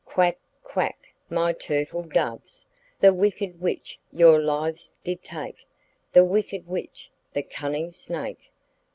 Quack, quack my turtle doves! The wicked witch your lives did take The wicked witch, the cunning snake.